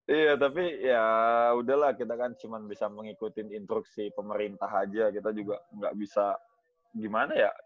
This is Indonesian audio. iya tapi ya udahlah kita kan cuma bisa mengikuti instruksi pemerintah aja kita juga nggak bisa gimana ya